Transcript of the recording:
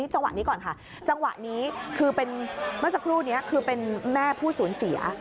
จังหวะนี้ก่อนค่ะจังหวะนี้เป็นแม่ผู้ศูนย์เสีย